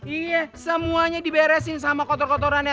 iya semuanya diberesin sama kotor kotorannya